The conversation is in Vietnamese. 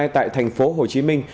tại thành phố hồ chí minh